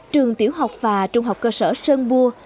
trường tiểu học và trung học cơ sở sơn bua